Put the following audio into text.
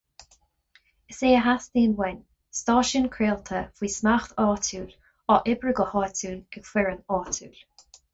Is é a theastaíonn uainn, stáisiún craolta faoi smacht áitiúil, á oibriú go háitiúil, ag foireann áitiúil.